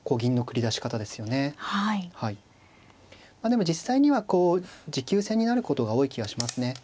でも実際にはこう持久戦になることが多い気がしますね。